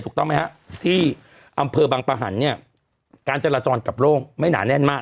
ถูกต้องไหมฮะที่อำเภอบังปะหันเนี่ยการจราจรกับโลกไม่หนาแน่นมาก